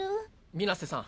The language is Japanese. ・水瀬さん。